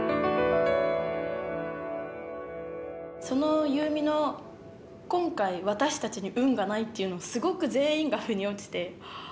その夕湖の今回私たちに運がないっていうのはすごく全員がふに落ちて。